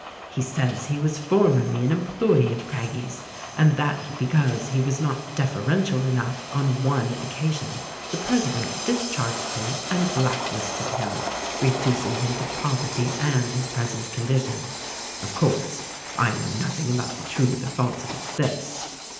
He says he was formerly an employee of Craggie's and that because he was not deferential enough on one occasion the president discharged him and blacklisted him — reducing him to poverty and his present condition. Of course, I know nothing about the truth or falsity of this."